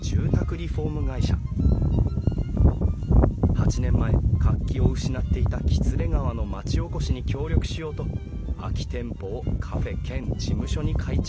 ８年前活気を失っていた喜連川の町おこしに協力しようと空き店舗をカフェ兼事務所に改築することに。